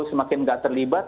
semakin gak terlibat